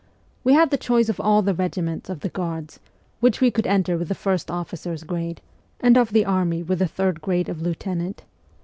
We had the choice of all the regi ments of the Guards, which we could enter with the first officer's grade, and of the Army with the third grade of lieutenant.